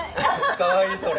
かわいいそれ。